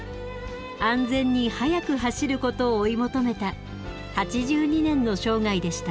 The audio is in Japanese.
安全に速く走ることを追い求めた８２年の生涯でした。